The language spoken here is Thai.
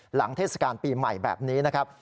เทศกาลปีใหม่แบบนี้นะครับ